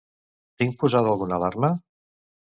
Tinc posada alguna alarma?